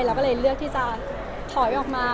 เราก็เลยเลือกที่จะถอยออกมา